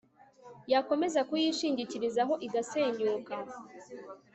yakomeza kuyishingikirizaho, igasenyuka